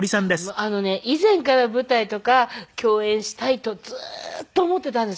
あのね以前から舞台とか共演したいとずーっと思っていたんです